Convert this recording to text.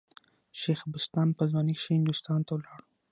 شېخ بستان په ځوانۍ کښي هندوستان ته ولاړ.